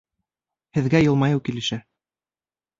Һеҙгә йылмайыу килешә